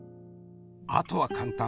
あとは簡単。